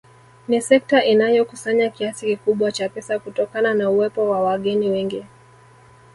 Ni sekta inayokusanya kiasi kikubwa cha pesa kutokana na uwepo wa wageni wengi